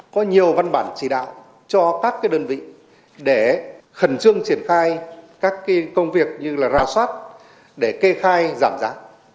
có nhiều văn bản chỉ đạo cho các cái đơn vị để khẩn trương triển khai các cái công việc như là ra soát để kê khai giảm giá